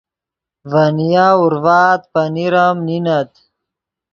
ڤے نیا اورڤآت پنیر ام نینت